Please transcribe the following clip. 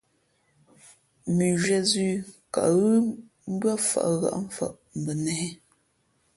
Mʉnzhwē zʉ̌,kαʼghʉ̄ mbʉ́ά fαʼ hα̌ʼmfαʼ mbα nēhē.